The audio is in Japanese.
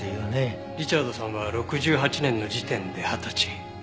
リチャードさんは６８年の時点で二十歳。